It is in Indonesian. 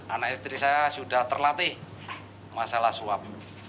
anak istri saya sudah terlatih masalah suap